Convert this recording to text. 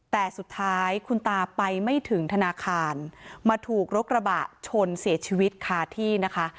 แต่สุดท้ายคุณตาไปไม่ถึงธนาคารมาถูกรถกระบะชนเสียชีวิตคาที่นะคะ